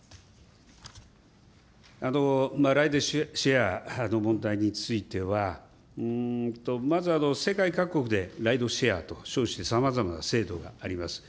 ライドシェアの問題については、まず世界各国でライドシェアと称して、さまざまな制度があります。